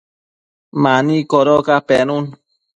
mani codoca penun